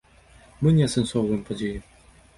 Мы не асэнсоўваем падзеі.